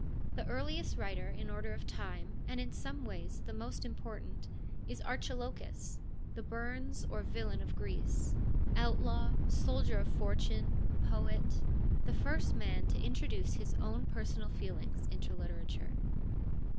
The earliest writer in order of time, and in some ways the most important, is Archilochus, the Burns or Villon of Greece— outlaw, soldier of THE LYRIC POETS 31 fortune, poet, the first man to introduce his own personal feelings into literature.